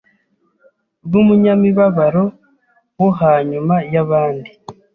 rw’umunyamibabaro wo hanyuma y’abandi